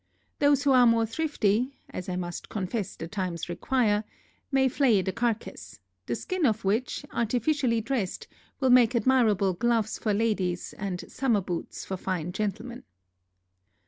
Those who are more thrifty (as I must confess the times require) may flay the carcass; the skin of which, artificially dressed, will make admirable gloves for ladies, and summer boots for fine gentlemen.